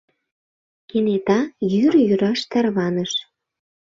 Кенета йӱр йӱраш тарваныш.